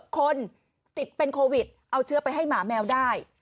คนติดเป็นโควิดเอาเชื้อไปให้หมาแมวได้